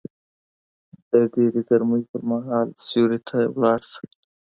د ډېرې ګرمۍ پر مهال سيوري ته ولاړ شه